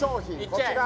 こちら